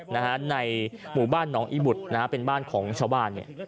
นะฮะในหมู่บ้านหนองอีบุตรนะฮะเป็นบ้านของชาวบ้านเนี่ย